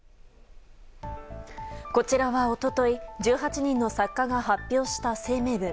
こちらは一昨日１８人の作家が発表した声明文。